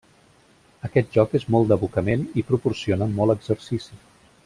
Aquest joc és molt d'abocament i proporciona molt exercici.